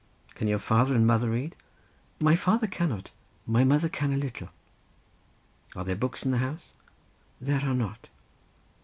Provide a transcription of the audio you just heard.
"Can your father and mother read?" "My father cannot, my mother can a little." "Are there any books in the house?" "There are not."